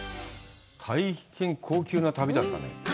大変高級な旅だったね。